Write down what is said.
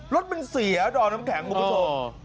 รถมันเสียดอมน้ำแข็งคุณผู้ชม